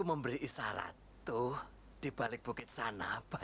mereka mau meroboh kisah kita